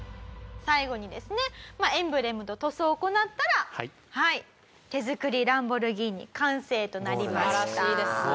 最後にですねエンブレムと塗装を行ったらはい手作りランボルギーニ完成となりました。